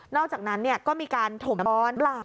นอกจากนั้นก็มีการถมน้ำบอล